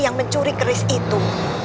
yang mencuri keris itu